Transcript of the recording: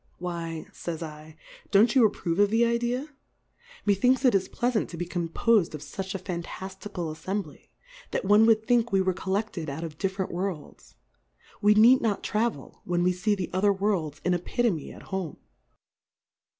Why, fays 7, don't you approve of the Idea ? Methinks it is pleafant to be composed of fuch a fantaftical Affembly, that one would think we were colleflied out of different Worlds ; we need not travel, when we fee the other Worlds in Epi tome at home.